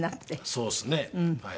そうですねはい。